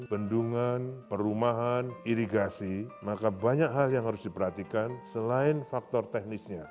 bendungan perumahan irigasi maka banyak hal yang harus diperhatikan selain faktor teknisnya